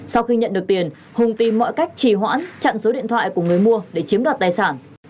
sau khi nhận được tiền hùng tìm mọi cách trì hoãn chặn số điện thoại của người mua để chiếm đoạt tài sản